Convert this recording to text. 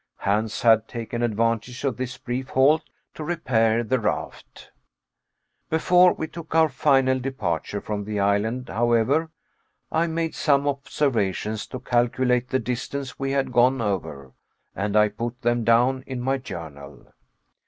Hans had taken advantage of this brief halt to repair the raft. Before we took our final departure from the island, however, I made some observations to calculate the distance we had gone over, and I put them down in my journal.